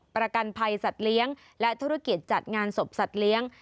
ประกันภัยสัตว์เลี้ยงและธุรกิจจัดงานศพสัตว์เลี้ยง